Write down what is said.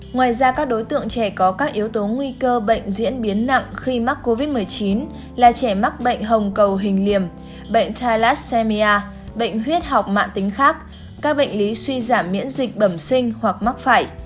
ngoài ra các đối tượng trẻ có các yếu tố nguy cơ bệnh diễn biến nặng khi mắc covid một mươi chín là trẻ mắc bệnh hồng cầu hình liềm bệnh tailassemia bệnh huyết học mạng tính khác các bệnh lý suy giảm miễn dịch bẩm sinh hoặc mắc phải